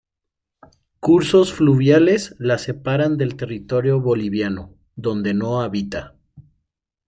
Cursos fluviales la separan del territorio boliviano, donde no habita.